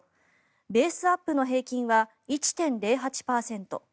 ベースアップの平均は１．０８％